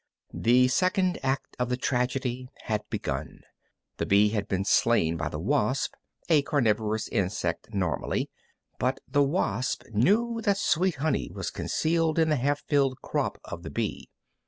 The second act of the tragedy had begun. The bee had been slain by the wasp, a carnivorous insect normally, but the wasp knew that sweet honey was concealed in the half filled crop of the bee.